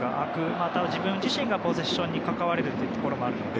また自分自身がポゼッションに関われるところもあるので。